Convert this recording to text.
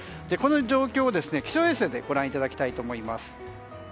この状況を気象衛星でご覧いただきたいと思います。